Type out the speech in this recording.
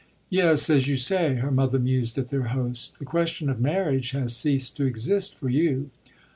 "Yes, as you say," her mother mused at their host, "the question of marriage has ceased to exist for you."